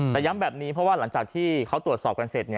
แต่ย้ำแบบนี้เพราะว่าหลังจากที่เขาตรวจสอบกันเสร็จ